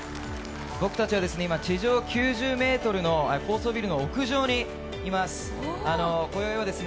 僕たちは今地上９０ｍの高層ビルの屋上にいます。